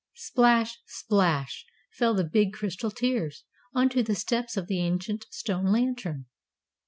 Splash, splash, fell the big crystal tears, on to the steps of the ancient stone Lantern.